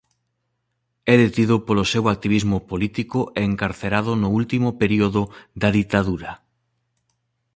É detido polo seu activismo político e encarcerado no último período da ditadura.